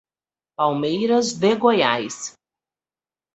Palmeiras de Goiás